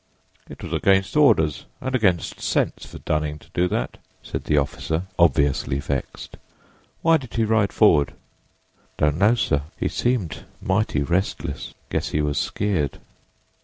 "It was against orders and against sense for Dunning to do that," said the officer, obviously vexed. "Why did he ride forward?" "Don't know, sir; he seemed mighty restless. Guess he was skeered."